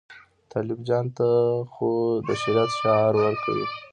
طالب جانه ته خو د شریعت شعار ورکوې.